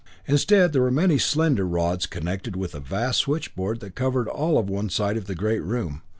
Instead, there were many slender rods connected with a vast switchboard that covered all of one side of the great room.